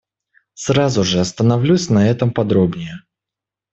Сразу же остановлюсь на этом подробнее.